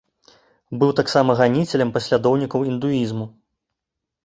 Быў таксама ганіцелем паслядоўнікаў індуізму.